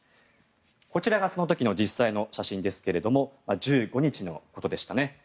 こちらがその時の実際の写真ですが１５日のことでしたね。